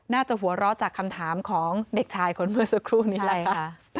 น่าจะหัวเราะจากคำถามของเด็กชายคนเมื่อสักครู่นี้แหละค่ะ